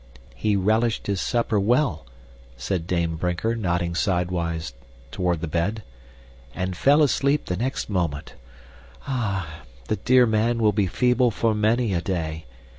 "He relished his supper well," said Dame Brinker, nodding sidewise toward the bed, "and fell asleep the next moment. Ah, the dear man will be feeble for many a day.